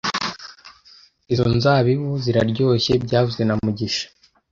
Izo nzabibu ziraryoshye byavuzwe na mugisha